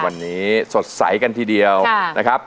วันนี้สดใสกันทีเดียวนะครับ